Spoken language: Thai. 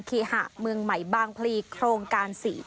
เคหะเมืองใหม่บางพลีโครงการ๔